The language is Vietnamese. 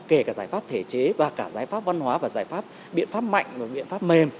kể cả giải pháp thể chế và cả giải pháp văn hóa và giải pháp biện pháp mạnh và biện pháp mềm